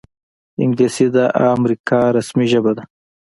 انګلیسي د امریکا رسمي ژبه ده